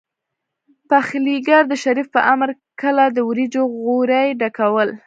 پخليګر د شريف په امر کله د وريجو غوري ډکول.